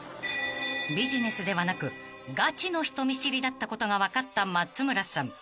［ビジネスではなくガチの人見知りだったことが分かった松村さん］